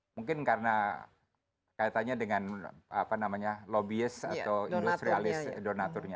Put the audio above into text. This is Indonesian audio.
mungkin karena kaitannya dengan apa namanya lobbyist atau industrialist donaturnya